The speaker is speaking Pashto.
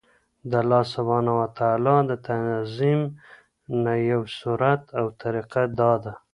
د الله سبحانه وتعالی د تعظيم نه يو صورت او طريقه دا ده